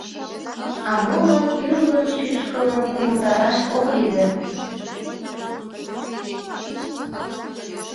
А моло тӱрлын шӱшкымым умылтараш ок лий дыр.